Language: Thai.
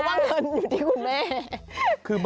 ว่าเงินอยู่ที่คุณแม่